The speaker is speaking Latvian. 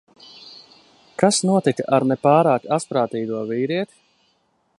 Kas notika ar ne pārāk asprātīgo vīrieti?